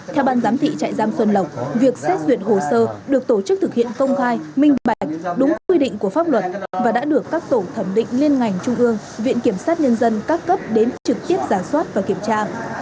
theo ban giám thị trại giam xuân lộc việc xét duyệt hồ sơ được tổ chức thực hiện công khai minh bạch đúng quy định của pháp luật và đã được các tổ thẩm định liên ngành trung ương viện kiểm sát nhân dân các cấp đến trực tiếp giả soát và kiểm tra